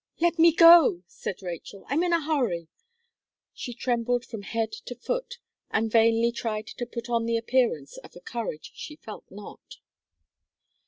"Let me go!" said Rachel "I am in a hurry." She trembled from head to foot, and vainly tried to put on the appearance of a courage she felt not.